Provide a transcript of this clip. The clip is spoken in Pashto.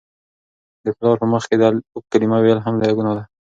د پلار په مخ کي د "اف" کلمه ویل هم لویه ګناه ده.